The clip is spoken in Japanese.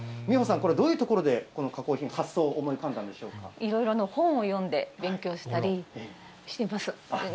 美帆さん、これ、どういうところでこの加工品、発想思い浮かんだいろいろの本を読んで勉強したりしてます。